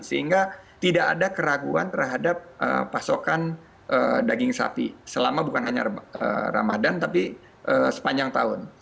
sehingga tidak ada keraguan terhadap pasokan daging sapi selama bukan hanya ramadhan tapi sepanjang tahun